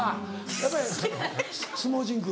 やっぱり相撲甚句？